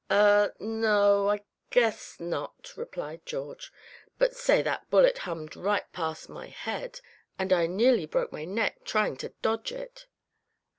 "Er, no, guess not," replied George, "but say, that bullet hummed right past my head, and I nearly broke my neck trying to dodge it.